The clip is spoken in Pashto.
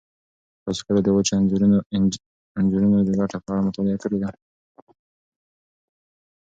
تاسو کله د وچو انځرونو د ګټو په اړه مطالعه کړې ده؟